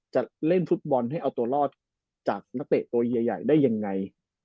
จะเล่นฟุตบอลให้เอาตัวรอดจากนักเตะตัวเยียใหญ่ได้ยังไง